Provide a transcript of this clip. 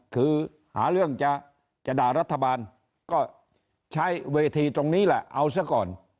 คือหาเรื่องจะด่ารัฐบาลก็ใช้เวทีตรงนี้แหละเอาซะก่อน